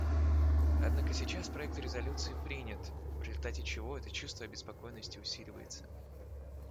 Однако сейчас проект резолюции принят, в результате чего это чувство обеспокоенности усиливается.